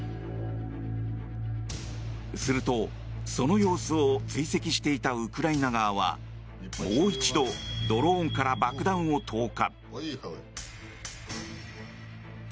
すると、その様子を追跡していたウクライナ側はもう一度、ドローンから爆弾を投下。